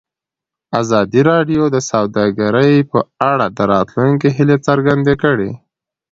ازادي راډیو د سوداګري په اړه د راتلونکي هیلې څرګندې کړې.